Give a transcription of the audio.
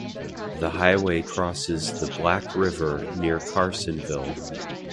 The highway crosses the Black River near Carsonville.